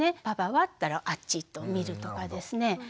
「パパは？」って言ったらあっちと見るとかですね。